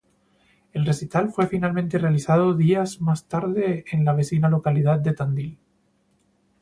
El recital fue finalmente realizado días más tarde en la vecina localidad de Tandil.